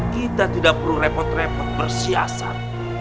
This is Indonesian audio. kita tidak perlu repot repot bersiasat